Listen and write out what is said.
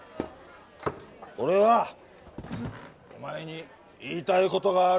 俺はお前に言いたいことがある。